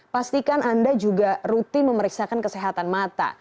pastikan anda juga rutin memeriksakan kesehatan mata